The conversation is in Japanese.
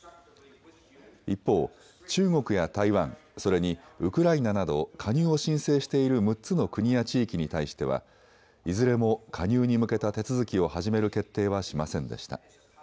一方、中国や台湾、それにウクライナなど加入を申請している６つの国や地域に対してはいずれも加入に向けた手続きを始める決定はしませんでした。